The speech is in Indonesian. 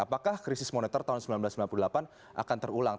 apakah krisis moneter tahun seribu sembilan ratus sembilan puluh delapan akan terulang